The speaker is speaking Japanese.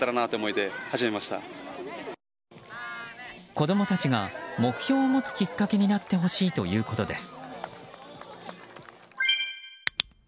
子供たちが目標を持つきっかけになってほしいということです。